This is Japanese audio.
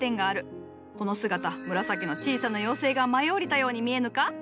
この姿紫の小さな妖精が舞い降りたように見えぬか？